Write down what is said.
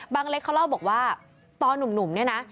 เล็กเขาเล่าบอกว่าตอนหนุ่มเนี่ยนะ